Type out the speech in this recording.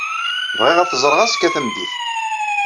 Bɣiɣ ad t-ẓreɣ azekka tameddit.